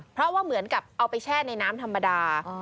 เพราะว่าเหมือนกับเอาไปแช่ในน้ำธรรมดา